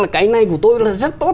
cái này của tôi là rất tốt